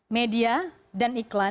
media dan iklan